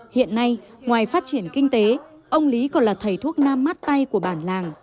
hiện nay ngoài phát triển kinh tế ông lý còn là thầy thuốc nam mát tay của bản làng